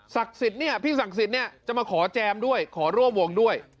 สิทธิ์เนี่ยพี่ศักดิ์สิทธิ์เนี่ยจะมาขอแจมด้วยขอร่วมวงด้วย